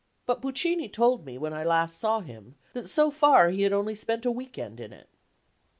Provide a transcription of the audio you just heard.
But Puccini told me, when last I saw him, that so far he had only spent a week end in it.